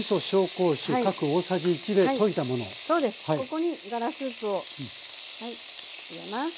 ここにガラスープをはい入れます。